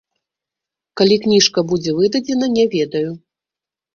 Калі кніжка будзе выдадзена, не ведаю.